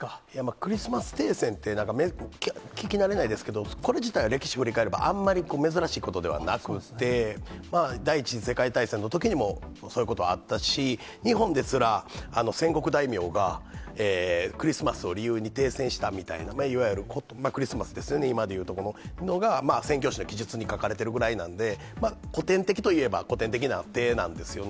クリスマス停戦ってなんか聞き慣れないですけど、これ自体は歴史振り返れば、あんまり珍しいことではなくって、第１次世界大戦のときにもそういうことはあったし、日本ですら、戦国大名がクリスマスを理由に停戦したみたいな、いわゆるクリスマスですよね、今でいうところの、のが宣教師の記述に書かれているぐらいなので、古典的といえば古典的な手なんですよね。